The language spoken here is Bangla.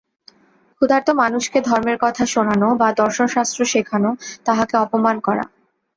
ক্ষুধার্ত মানুষকে ধর্মের কথা শোনান বা দর্শনশাস্ত্র শেখান, তাহাকে অপমান করা।